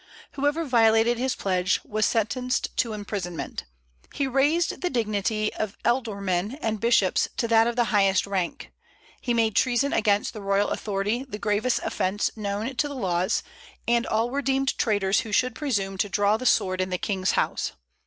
Whoever violated his pledge was sentenced to imprisonment. He raised the dignity of ealdormen and bishops to that of the highest rank. He made treason against the royal authority the gravest offence known to the laws, and all were deemed traitors who should presume to draw the sword in the king's house.